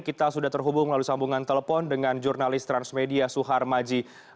kita sudah terhubung melalui sambungan telepon dengan jurnalis transmedia suhar maji